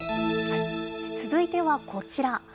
続いてはこちら。